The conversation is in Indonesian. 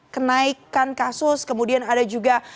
kenaikan kasus kemudian ada juga